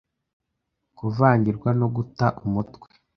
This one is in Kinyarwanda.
kuvangirwa no guta umutwe